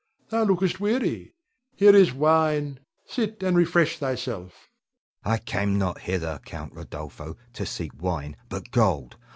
Thou lookest weary, here is wine; sit and refresh thyself. Hugo. I came not hither, Count Rodolpho, to seek wine, but gold.